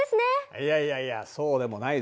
いやいやいやそうでもないぞ。